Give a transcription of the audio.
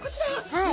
はい。